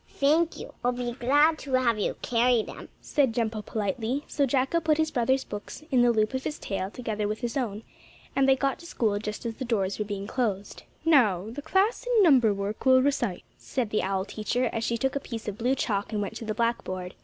"Thank you, I'll be glad to have you carry them," said Jumpo politely, so Jacko put his brother's books in the loop of his tail together with his own, and they got to school just as the doors were being closed. "Now the class in number work will recite," said the owl teacher, as she took a piece of blue chalk and went to the blackboard.